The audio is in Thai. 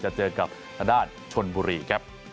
จะเจอกับณชนบุรีครับ